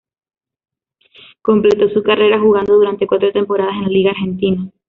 Completó su carrera jugando durante cuatro temporadas en la liga argentina.